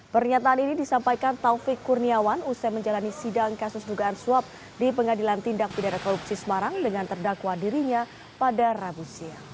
pernyataan ini disampaikan taufik kurniawan usai menjalani sidang kasus dugaan suap di pengadilan tindak pidana korupsi semarang dengan terdakwa dirinya pada rabu siang